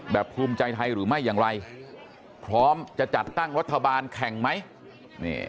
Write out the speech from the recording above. ภูมิใจไทยหรือไม่อย่างไรพร้อมจะจัดตั้งรัฐบาลแข่งไหม